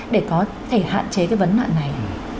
để có thể hạn chế cái vấn đoạn này